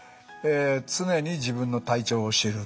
「常に自分の体調を知る」。